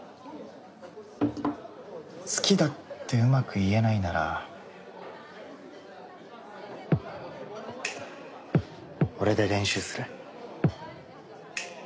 「好きだ」ってうまく言えないなら俺で練習する？